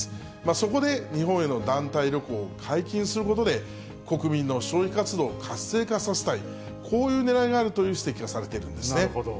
そこで日本への団体旅行を解禁することで、国民の消費活動を活性化させたい、こういうねらいがあるという指摘をされているんですなるほど。